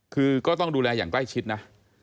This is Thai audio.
คือก็ต้องดูแลอย่างใกล้ชิดนะ